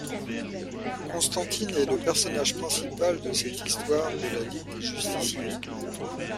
Constantine est le personnage principal de cette histoire de La Ligue des Justiciers.